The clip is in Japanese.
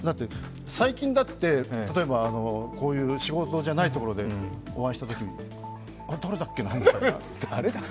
最近だってこういう仕事じゃないところでお会いしたときに誰だっけな、みたいな。